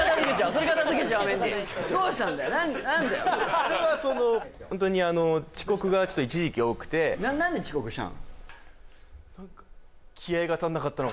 あれはそのホントに遅刻が一時期多くて何で遅刻したの？